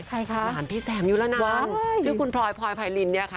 ใครคะวานพี่แซมอยู่แล้วนั้นชื่อคุณพรอยพรอยพายลินค่ะ